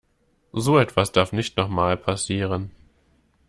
So etwas darf nicht noch mal passieren.